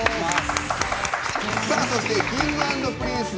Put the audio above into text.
そしてＫｉｎｇ＆Ｐｒｉｎｃｅ！